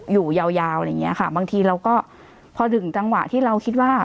อยู่ยาวยาวอะไรอย่างเงี้ยค่ะบางทีเราก็พอถึงจังหวะที่เราคิดว่า